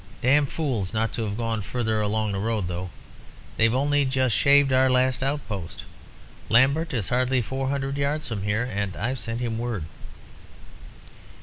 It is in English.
Damned fools, not to have gone further along the road, though. They've only just shaved our last outpost. Lambert is hardly four hundred yards from here. And I've sent him word.'